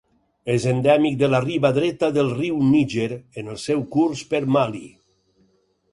És endèmic de la riba dreta del riu Níger en el seu curs per Mali.